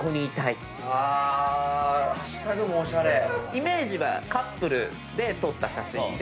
イメージはカップルで撮った写真で。